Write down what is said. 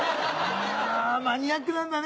あぁマニアックなんだね